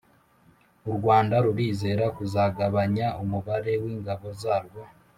u rwanda rurizera kuzagabanya umubare w'ingabo zarwo,